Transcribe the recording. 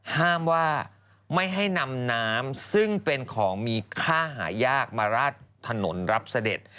ห้ามว่าไม่ให้นำน้ำซึ่งเป็นของมีค่าหายากมาราดถนนรับเสด็จ